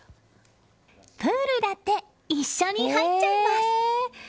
プールだって一緒に入っちゃいます。